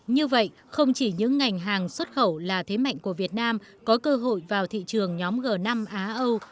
như vậy không chỉ những ngành hàng xuất khẩu là thế mạnh của việt nam có cơ hội vào thị trường nhóm g năm á âu